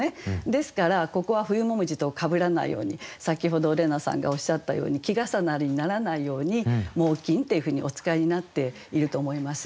ですからここは「冬紅葉」とかぶらないように先ほど怜奈さんがおっしゃったように季重なりにならないように「猛禽」っていうふうにお使いになっていると思います。